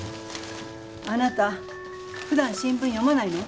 あなたふだん新聞読まないの？